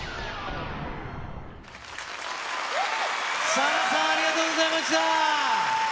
ＳＡＬＡＨさん、ありがとうございました。